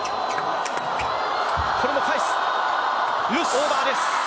オーバーです。